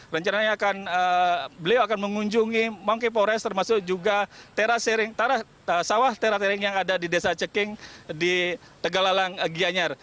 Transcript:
rencananya beliau akan mengunjungi monkey forest termasuk juga sawah terasering yang ada di desa ceking di tegalalang giyanyar